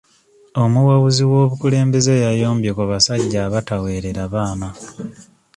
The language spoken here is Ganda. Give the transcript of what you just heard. Omuwabuzi w'omukulembeze yayombye ku basajja abataweerera baana.